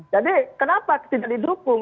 jadi kenapa tidak didukung